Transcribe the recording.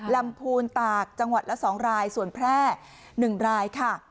ลำพูนตากจังหวัดละ๒รายส่วนแพร่๑รายค่ะ